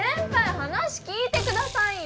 話聞いてくださいよ！